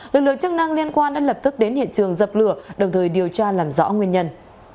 lực lượng chức năng liên quan đã lập tức đến hiện trường dập lửa đồng thời điều tra làm rõ nguyên nhân